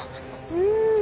うん。